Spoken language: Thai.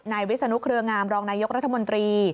นายวิศนุคเรืองามรองนายกรรษฐมนตรี